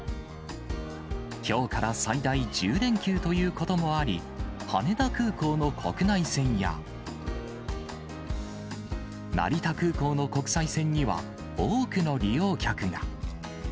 きょうから最大１０連休ということもあり、羽田空港の国内線や、成田空港の国際線には、多くの利用客が。